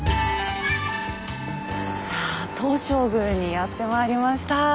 さあ東照宮にやってまいりました。